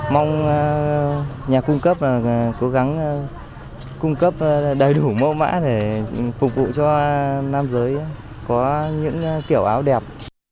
mong nhà cung cấp cố gắng cung cấp đầy đủ mẫu mã để phục vụ cho nam giới có những kiểu áo đẹp